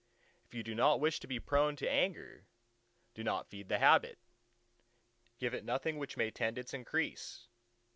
If you do not wish to be prone to anger, do not feed the habit; give it nothing which may tend its increase.